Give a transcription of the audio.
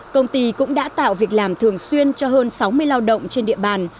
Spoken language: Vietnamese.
công ty cũng đã tạo việc làm thường xuyên cho hơn sáu mươi lao động trên địa bàn